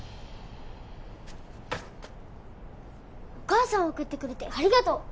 お母さんを送ってくれてありがとう！